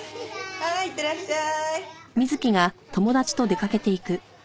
はいいってらっしゃい。